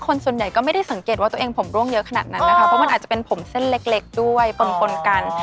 คนส่วนใหญ่ก็ไม่ได้สังเกตว่าตัวเองผมร่วงเยอะขนาดนั้นนะคะเพราะมันอาจจะเป็นผมเส้นเล็กด้วยปนปนกัน